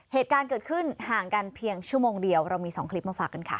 เหตุการณ์เกิดขึ้นห่างกันเพียงชั่วโมงเดียวเรามี๒คลิปมาฝากกันค่ะ